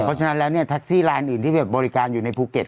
เพราะฉะนั้นแล้วเนี่ยแท็กซี่ลายอื่นที่บริการอยู่ในภูเก็ต